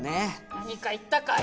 何か言ったかい？